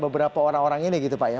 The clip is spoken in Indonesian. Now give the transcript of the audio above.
beberapa orang orang ini gitu pak ya